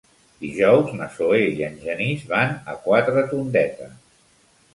Dijous na Zoè i en Genís van a Quatretondeta.